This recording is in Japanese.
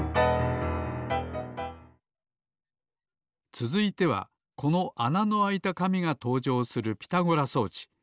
つづいてはこのあなのあいたかみがとうじょうするピタゴラ装置。